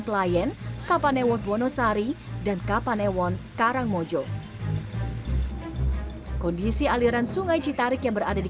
klien kapanewon wonosari dan kapanewon karangmojo kondisi aliran sungai citarik yang berada di